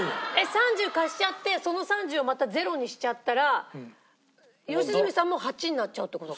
３０貸しちゃってその３０をまたゼロにしちゃったら良純さんも８になっちゃうって事か。